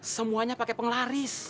semuanya pakai penglaris